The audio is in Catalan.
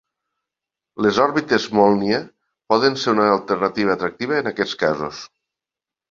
Les òrbites Mólnia poden ser una alternativa atractiva en aquests casos.